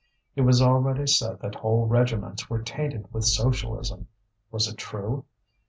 It was already said that whole regiments were tainted with Socialism. Was it true?